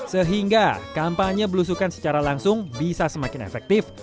sehingga kampanye belusukan secara langsung bisa semakin efektif